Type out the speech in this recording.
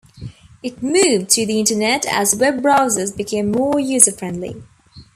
It moved to the internet as web browsers became more user-friendly.